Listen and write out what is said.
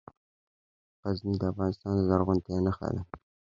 غزني د افغانستان د زرغونتیا نښه ده.